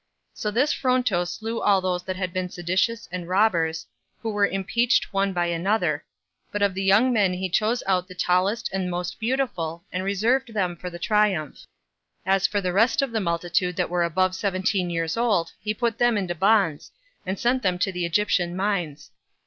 So this Fronto slew all those that had been seditious and robbers, who were impeached one by another; but of the young men he chose out the tallest and most beautiful, and reserved them for the triumph; and as for the rest of the multitude that were above seventeen years old, he put them into bonds, and sent them to the Egyptian mines.